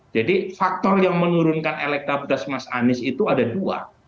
jadi faktor yang menurunkan elektabitas mas anies itu ada dua